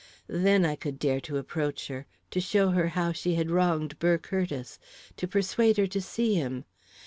Then, I could dare to approach her, to show her how she had wronged Burr Curtiss, to persuade her to see him.